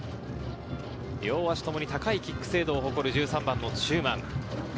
両足ともに高いキック精度を誇る１３番の中馬。